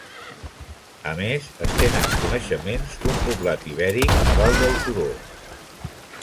A més es tenen coneixements d'un poblat ibèric a dalt del turó.